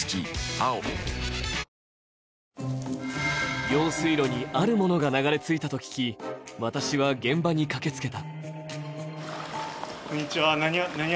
「碧Ａｏ」用水路にあるものが流れ着いたと聞き、私は現場に駆けつけた。